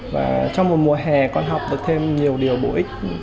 và trong một mùa hè con học được thêm nhiều điều bổ ích